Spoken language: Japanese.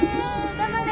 頑張れ！